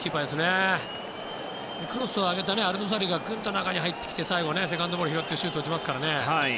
クロスを上げたアルドサリがくっと中に入って最後、セカンドボールを拾ってシュートを打ちますからね。